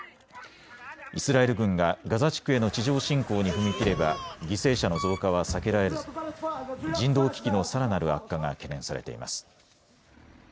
イスラエル軍がガザ地区への地上侵攻に踏み切れば犠牲者の増加は避けられず人道危機のさらなる悪化が懸念されています。